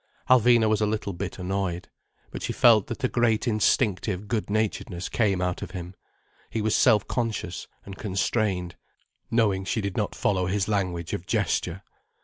Alvina was a little bit annoyed. But she felt that a great instinctive good naturedness came out of him, he was self conscious and constrained, knowing she did not follow his language of gesture.